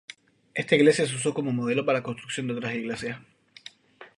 Esta iglesia se usó como modelo para la construcción de otras iglesias.